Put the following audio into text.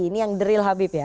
ini yang deril habib ya